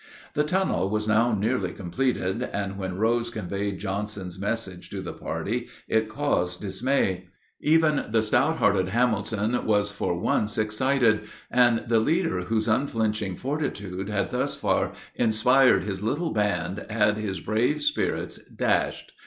The tunnel was now nearly completed, and when Rose conveyed Johnson's message to the party it caused dismay. Even the stout hearted Hamilton was for once excited, and the leader whose unflinching fortitude had thus far inspired his little band had his brave spirits dashed.